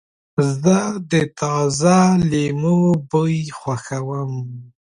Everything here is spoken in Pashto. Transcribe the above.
زه د تازه لیمو بوی خوښوم.